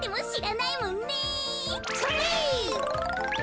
それ！